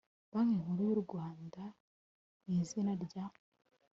banki nkuru y u rwanda mw izina rya